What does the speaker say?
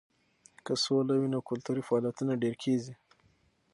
که سوله وي نو کلتوري فعالیتونه ډېر کیږي.